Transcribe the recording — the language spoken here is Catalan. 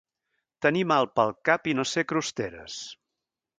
Tenir mal pel cap i no ser crosteres.